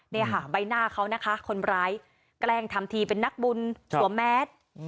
ในใบหน้าเขานะคะคนร้ายแกล้งทำทีเป็นนักบุญถั่วแมด